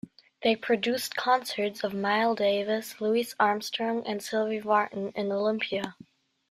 They produced concerts of Miles Davis, Louis Armstrong, and Sylvie Vartan in Olympia.